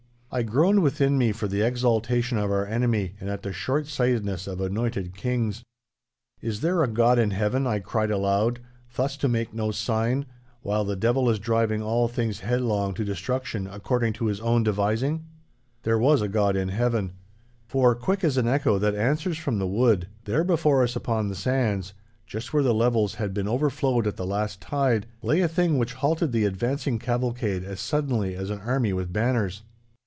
I groaned within me for the exaltation of our enemy and at the shortsightedness of anointed kings. 'Is there a God in heaven,' I cried aloud, 'thus to make no sign, while the devil is driving all things headlong to destruction according to his own devising?' There was a God in heaven. For, quick as an echo that answers from the wood, there before us upon the sands, just where the levels had been overflowed at the last tide, lay a thing which halted the advancing cavalcade as suddenly as an army with banners.